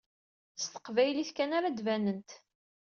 S teqbaylit kan ara ad banent.